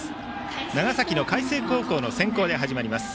長崎の海星高校の先攻で始まります。